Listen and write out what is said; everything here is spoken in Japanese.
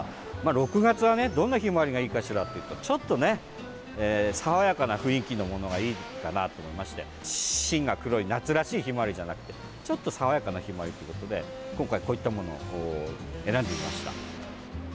６月はね、どんなヒマワリがいいかしらというと、ちょっとね爽やかな雰囲気のものがいいかなと思いまして芯が黒い夏らしいヒマワリじゃなくてちょっと爽やかなヒマワリということで今回、こういったものを選んでみました。